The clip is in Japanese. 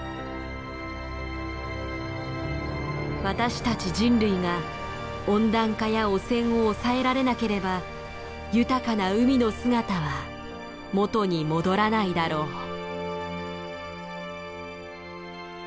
私たち人類が温暖化や汚染を抑えられなければ豊かな海の姿はもとに戻らないだろう。